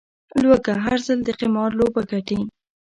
لوږه، هر ځل د قمار لوبه ګټي